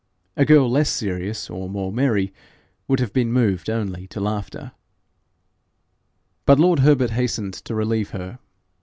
A girl less serious or more merry would have been moved only to laughter. But lord Herbert hastened to relieve her.